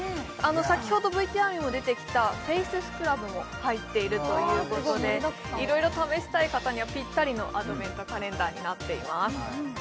先ほどＶＴＲにも出てきたフェイススクラブも入っているということでいろいろ試したい方にはぴったりのアドベントカレンダーになっています